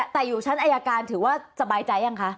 แต่อยู่ชั้นอายการถือว่าสบายใจยังคะ